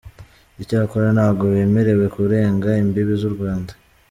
Icyakora ntabwo bemerewe kurenga imbibi z’u Rwanda.